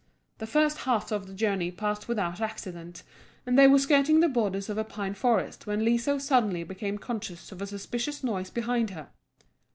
The first half of the journey passed without accident, and they were skirting the borders of a pine forest when Liso suddenly became conscious of a suspicious noise behind her.